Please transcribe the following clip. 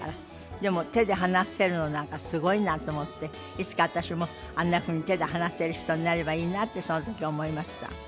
でも手で話せるのなんかすごいなと思っていつか私もあんなふうに手で話せる人になればいいなとその時思いました。